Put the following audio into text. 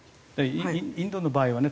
インドの場合はね